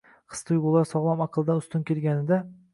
Xis-tuyg‘ular sog‘lom aqldan ustun kelganida